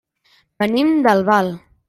Venim d'Albal.